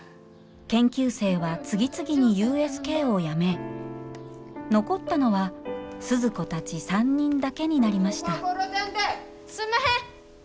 研究生は次々にＵＳＫをやめ残ったのは鈴子たち３人だけになりましたすんまへん！